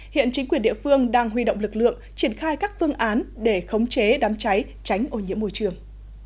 hiện chính quyền địa phương đang huy động lực lượng triển khai các phương án để khống chế đám cháy tránh ô nhiễm môi trường